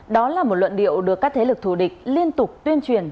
đó là một luận điệu được các thế lực thù địch liên tục tuyên truyền